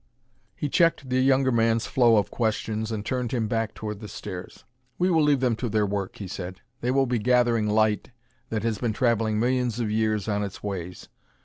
He checked the younger man's flow of questions and turned him back toward the stairs. "We will leave them to their work," he said; "they will be gathering light that has been traveling millions of years on its ways.